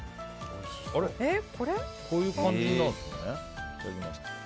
こういう感じになるんですね。